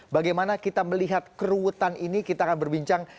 bagaimana kita melihat keruutan ini kita akan berbincang